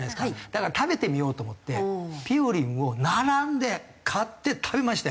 だから食べてみようと思ってぴよりんを並んで買って食べましたよ。